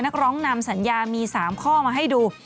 นักร้องนำสัญญามี๓ข้อมาให้ดู